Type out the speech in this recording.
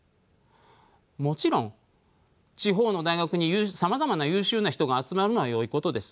もちろん地方の大学にさまざまな優秀な人が集まるのはよいことです。